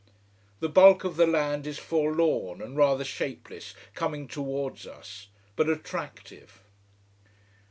The bulk of the land is forlorn and rather shapeless, coming towards us: but attractive.